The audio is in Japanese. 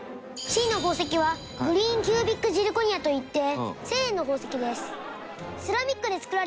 Ｃの宝石はグリーンキュービックジルコニアといって１０００円の宝石です。